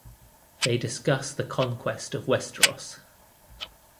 They discuss the conquest of Westeros.